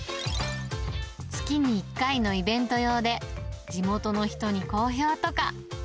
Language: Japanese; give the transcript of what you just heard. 月に１回のイベント用で、地元の人に好評とか。